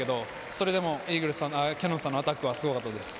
それでもキヤノンさんのアタックはすごかったです。